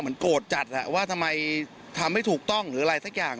โกรธจัดว่าทำไมทำให้ถูกต้องหรืออะไรสักอย่าง